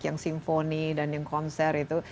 yang simfoni dan yang konser itu